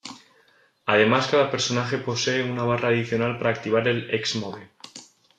Además, cada personaje posee una barra adicional para activar el Ex Mode.